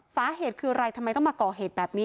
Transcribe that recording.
สาเหตุคืออะไรทำไมต้องมาก่อเหตุแบบนี้